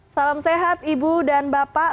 salam sehat ibu dan bapak